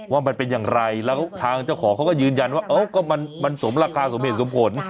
ว่ามันเป็นอย่างไรแล้วทางเจ้าของเขาก็ยืนยันว่าก็มันสมราคาสมเหตุสมผล